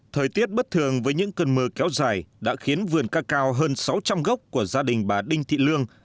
thời tiết bất thường với những cơn mưa kéo dài đã khiến vườn ca cao hơn sáu trăm linh gốc của gia đình bà đinh thị lương